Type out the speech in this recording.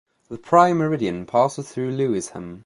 The Prime Meridian passes through Lewisham.